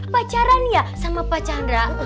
pacaran ya sama pak chandra